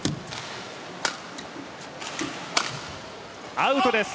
アウトです